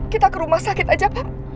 kita ke rumah sakit aja pak